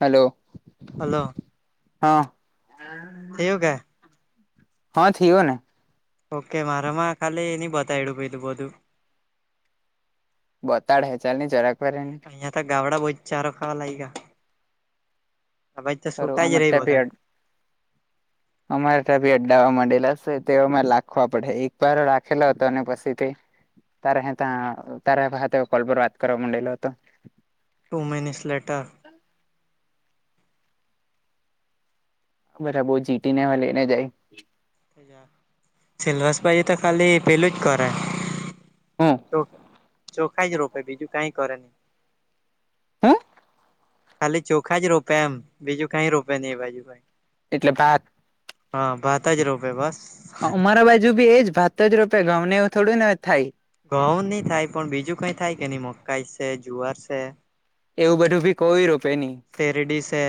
Hello. Hello. હા. થિયુ કે? હા, થિયુ ને. ઓકે મારામાં ખાલી ની બટાઈડુ બીજું બધું. બતાડ હે, ચાલની જરાક. વાર એને અહિયાં તો ગાવડા બોજ ચારો ખાવા લાઈગા. આ બાજુ ખરું સુકાઈ જ રેહ બધા. અમારે ત્યાં ભી અડ્ડાવા માંડેલાશે તેઓ મારે લાખવા પડહૈ, એક બાર રાખેલો હતો અને પછી તે તારે હે ત્યા, તારા હાતે કોલ પર વાત કરવા માંડેલો હતો. Two મિનસ letter. બધા બો જીતીને આવે, લઈને જાય સેલવાસ બાજુ તો ખાલી પેલું જ ગણાય. હું ચો ચોખા જ રોપે, બીજું કઈ કરે ની. હું ખાલી ચોખા જ રોપે એમ, બીજું કઈ રોપે ની ભાઈ. એટલે ભાત હા, ભાત જ રોપે બસ. અમારા બાજુ બી એજ ભાત જ રોપે, ઘઉં ને એવું થોડું ન થાય. ઘઉંની થાય પણ બીજું કઈ થાય કે નઈ મકાઈ છે, જુવાર છે? એવું બધું ભી કોઈ રોપે ની. શેરડીસે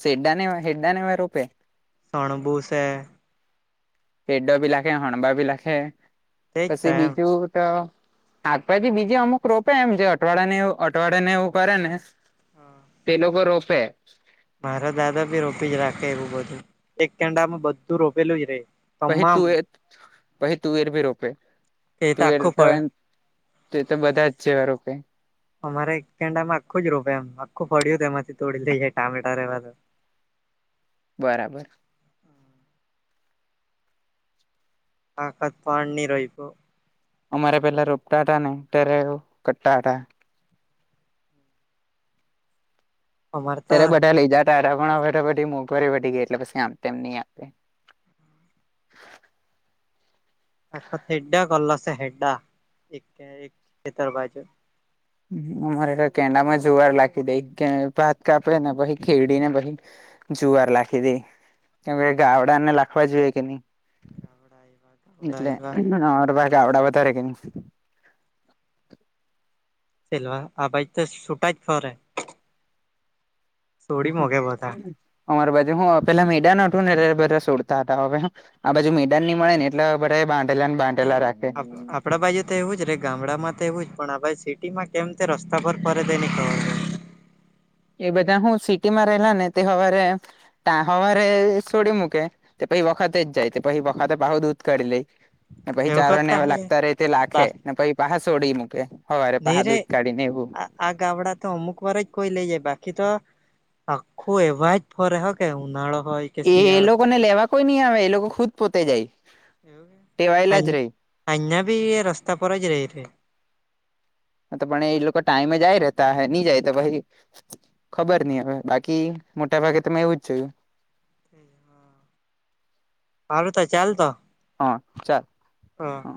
શેરડા ને હૈડા ને એવા રોપે હણબૂ સે. હેડોભી નાખે હણબા નાખે. તેજ પછી થાય બીજું તો શાકભાજી બીજી અમુક રોપે એમ છે અઠવાડિયા ને અઠવાડિયા ને એવું કરે ને એમ તે લોકો રોફે. મારા દાદા ભી રોપી જ રાખે એવું બધું એક કેંડામાં બધું રોપેલું જ રે. પહી તમામ તુવે પહી તુવેર ભી રોપે. એ તુંએર આખું તો ફળ એમ તે તો બધા જ જેવા રોપે. અમારે એક કેડામાં આખું જ રોપે એમ આખું પડ્યું તે એમાંથી તોડી લઈ જાય ટામેટા રેવા દે બરાબર. આકાત્વા ની રોઈપૂ અમારે પેલા રોપટા હતા ને ત્યારે એવું ક્ટા હટા. અમારે તો ત્યારે બધા લઈ જા તારા પણરે બધી મોંઘવારી બી ગઈ એટલે પછી આમ તેમ નહી આપે. આખત હેડા ગલ સ હેડા એક એક ખેતર બાજુ. અમારે તો કેંડા માં જુવાર લાગી દે ભાત કાપે ને પહિ ખેડીને પછી જુવાર લાખી દે. કેમ કે ગાવડાને લખવા જોઈએ કે ની ગાવડા આયવા ગાવડા એટલે આયવા અ [unintelligible] [unintelligible] આવડા વધારે કે ની સેલવા આ ભાઈ તો સુટ જ ફરે. થોડી મોગે બધા. અમારી બાજુ હું પેલા મેડા નઠું ને એટ બધા સોડતા હતા હવે હું આ બાજુ મેદાન ની મળે ને એટલે હવે બધાએ બાંધેલા ને બા ન આપ આપડા બાજુ તો એવું જ રે ગામડામાં તો એવું જ પણ આપ સિટીમાં કેમ તે રસ્તા પર ફરે તે ની ખબર. એ બધા હું સિટી માં રહેલા ને તે હવારે તા હવારે છોડી મૂકે તે પછી વખતે જ જાય તે પછી વખતે પાહુ દૂધ કરી લે તે પહિ ચારોને કરતા એવું હે લાગતા ર રહે તે લાખે બસ ને પહિ પાહા સોડી મુકેે. હવારે નહી પાહા રે દૂધ કાડી ને એવું આ આ ગામડા તો અમુક વાર જ કોઈ લઈ જાય બાકી તો આખું એવા જ ફરે હ કે ઉનાળો હોય કે એ એ શિયાળો લોકો ને લેવા કોઈ નહી આવે એ લોકો ખુદ પોતે જાય. ટેવાયેલા જ રેહ [unintelligible] બી રસ્તા પરજ રે છે. હા તો પણ એ લોકો ટાઈમે એ જાય રેતા હ નહી જાય તો ભાઈ ખબર નઈ હવે બાકી મોટા ભાગે તમે એવું જ જોયું. એ હા. હારું તો ચાલ તો. હા ચાલ. હા. હ